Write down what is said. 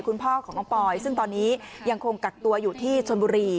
คุณพ่อของน้องปอยซึ่งตอนนี้ยังคงกักตัวอยู่ที่ชนบุรี